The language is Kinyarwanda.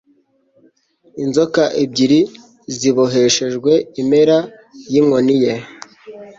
inzoka ebyiri ziboheshejwe impera yinkoni ye